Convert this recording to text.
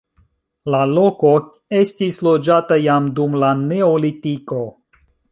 La loko estis loĝata jam dum la neolitiko.